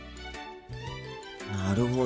なるほど。